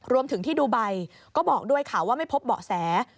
รวมถึงที่ดูไบก็บอกด้วยค่ะว่าไม่พบเบาะแส